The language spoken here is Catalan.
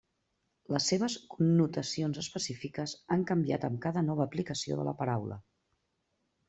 Les seves connotacions específiques han canviat amb cada nova aplicació de la paraula.